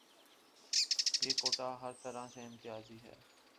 یہ کوٹہ ہرطرح سے امتیازی ہے۔